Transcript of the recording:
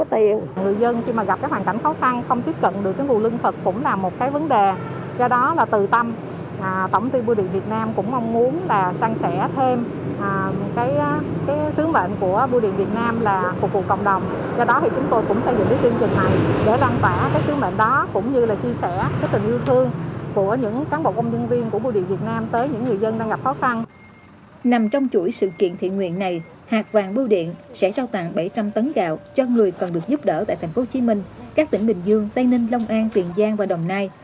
trong trong chuỗi sự kiện thiện nguyện này hạt vàng bưu điện sẽ trao tặng bảy trăm linh tấn gạo cho người còn được giúp đỡ tại tp hcm các tỉnh bình dương tây ninh long an tiền giang và đồng nai